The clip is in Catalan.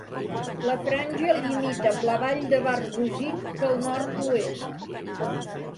La franja limita amb la vall de Barguzin pel nord-oest.